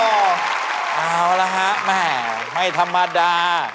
เอาละฮะแม่ไม่ธรรมดา